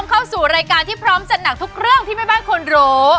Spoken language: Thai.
เข้าสู่รายการที่พร้อมจัดหนักทุกเรื่องที่แม่บ้านควรรู้